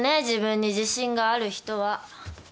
自分に自信がある人は。